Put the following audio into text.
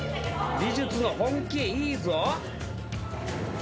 美術の本気いいぞ！